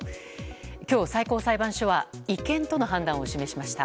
今日、最高裁判所は違憲との判断を示しました。